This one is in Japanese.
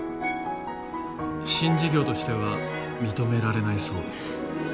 新事業としては認められないそうです。